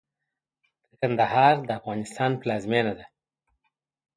د کندهار د افغانستان پلازمېنه ده.